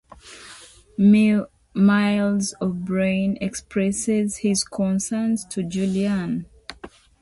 Miles O'Brien expresses his concerns to Julian.